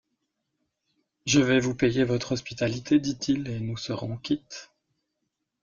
Je vais vous payer votre hospitalité, dit-il, et nous serons quittes.